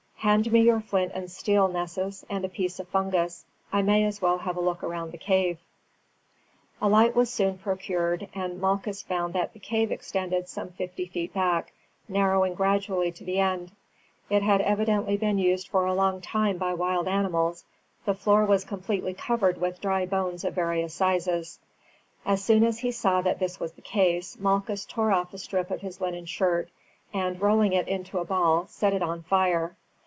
"Hand me your flint and steel, Nessus, and a piece of fungus. I may as well have a look round the cave." A light was soon procured, and Malchus found that the cave extended some fifty feet back, narrowing gradually to the end. It had evidently been used for a long time by wild animals. The floor was completely covered with dry bones of various sizes. As soon as he saw that this was the case Malchus tore off a strip of his linen shirt, and rolling it into a ball set it on fire.